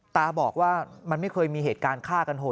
ตาบอกว่ามันไม่เคยมีเหตุการณ์ฆ่ากันโหด